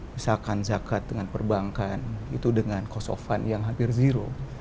misalkan zakat dengan perbankan itu dengan cost of fund yang hampir zero